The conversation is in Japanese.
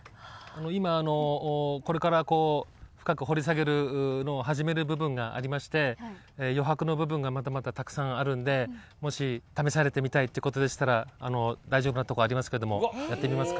今これからこう深く掘り下げるのを始める部分がありまして余白の部分がまだまだたくさんあるんでもし試されてみたいっていうことでしたら大丈夫なとこありますけどもやってみますか？